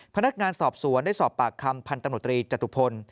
พนักงานสอบสวนได้สอบปากคำพันธมตรีจตุพล